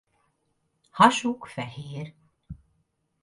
Hasuk fehér.